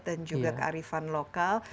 dan juga kearifan lokal